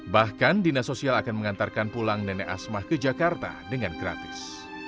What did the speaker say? bahkan dinas sosial akan mengantarkan pulang nenek asmah ke jakarta dengan gratis